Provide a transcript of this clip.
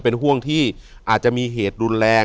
อยู่ที่แม่ศรีวิรัยิลครับ